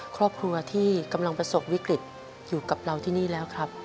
ครอบครัวที่กำลังประสบวิกฤตอยู่กับเราที่นี่แล้วครับ